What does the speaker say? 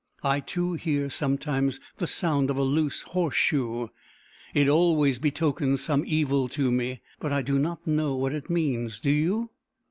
I too hear sometimes the sound of a loose horse shoe. It always betokens some evil to me; but I do not know what it means. Do you?"